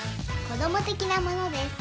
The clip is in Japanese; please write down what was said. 子ども的なものです。